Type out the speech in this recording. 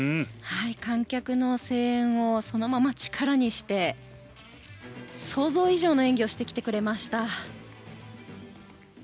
観客の声援をそのまま力にして想像以上の演技をしてきてくれました。